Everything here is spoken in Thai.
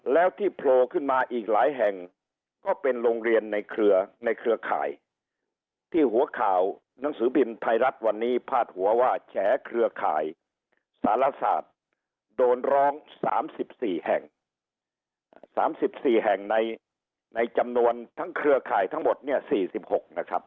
แล้วที่โผล่ขึ้นมาอีกหลายแห่งก็เป็นโรงเรียนในเครือในเครือข่ายที่หัวข่าวหนังสือพิมพ์ไทยรัฐวันนี้พาดหัวว่าแฉเครือข่ายสารศาสตร์โดนร้อง๓๔แห่ง๓๔แห่งในจำนวนทั้งเครือข่ายทั้งหมดเนี่ย๔๖นะครับ